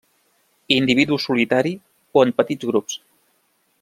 Individu solitari o en petits grups.